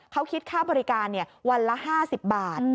เขาคิดค่าบริการวันละ๕๐บาท